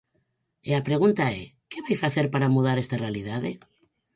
E a pregunta é ¿que vai facer para mudar esta realidade?